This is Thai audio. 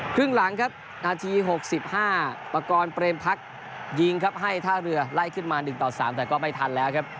ครึ่งหลังครับนาที๖๕ปากรเปรมพักยิงครับให้ท่าเรือไล่ขึ้นมา๑ต่อ๓แต่ก็ไม่ทันแล้วครับ